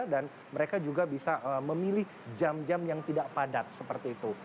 dan mereka juga bisa memilih jam jam yang tidak padat seperti itu